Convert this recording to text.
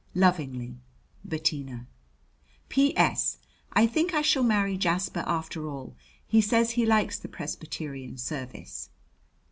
Lovingly, BETTINA. P.S. I think I shall marry Jasper after all. He says he likes the Presbyterian service.